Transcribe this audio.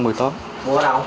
mua ở đâu